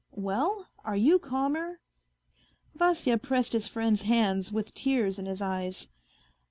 Well, are you calmer ?" Vasya pressed his friend's hands with tears in his eyes.